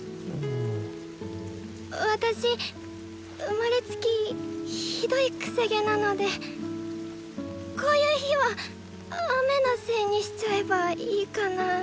私生まれつきひどい癖毛なのでこういう日は雨のせいにしちゃえばいいかなって。